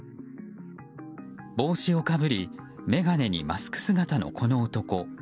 帽子をかぶり眼鏡にマスク姿のこの男。